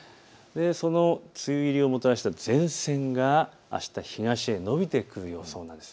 その梅雨入りをもたらした前線があした東へ延びてくる予想なんです。